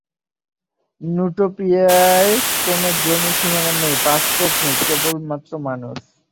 নুটোপিয়ায় কোন জমি, সীমানা নেই, পাসপোর্ট নেই, কেবলমাত্র মানুষ।